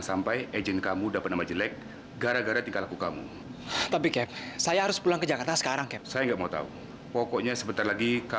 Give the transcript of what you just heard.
sampai gak ingat kalau papa ulang tahun hari ini